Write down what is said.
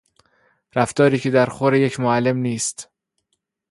رفتاری که در خور یک معلم نیست